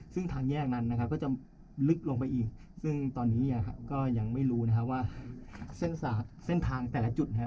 ซึ่งทางแยกนั้นนะครับก็จะลึกลงไปอีกซึ่งตอนนี้ก็ยังไม่รู้นะครับว่าเส้นทางแต่ละจุดนะครับ